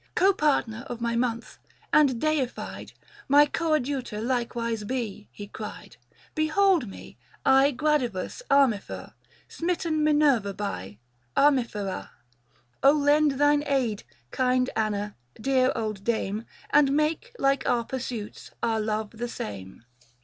" Copartner of my month, and deified, My coadjutor likewise be — he cried. Behold me, I Gradivus Armifer, 730 Smitten Minerva by, Armifera: O lend thine aid, kind Anna, dear old dame, And make, like our pursuits, our love the same."